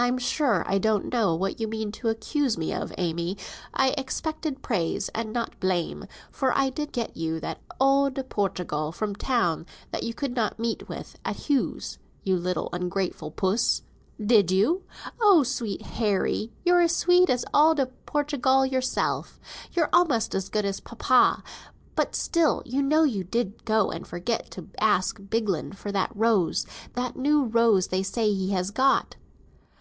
"I'm sure I don't know what you mean to accuse me of, Amy; I expected praise and not blame; for did not I get you that eau de Portugal from town, that you could not meet with at Hughes', you little ungrateful puss?" "Did you! Oh, sweet Harry; you're as sweet as eau de Portugal yourself; you're almost as good as papa; but still you know you did go and forget to ask Bigland for that rose, that new rose they say he has got."